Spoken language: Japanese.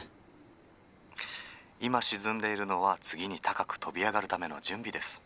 「今沈んでいるのは次に高く飛び上がるための準備です。